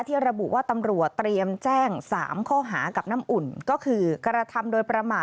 ระบุว่าตำรวจเตรียมแจ้ง๓ข้อหากับน้ำอุ่นก็คือกระทำโดยประมาท